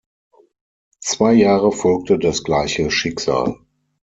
Zwei Jahre folgte das gleiche Schicksal.